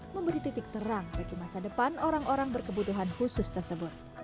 memberi titik terang bagi masa depan orang orang berkebutuhan khusus tersebut